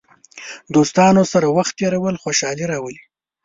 دوستانو سره وخت تېرول خوشحالي راولي.